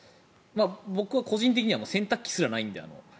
僕は個人的には洗濯機すらないんで。